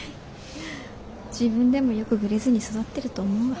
自分でもよくグレずに育ってると思うわ。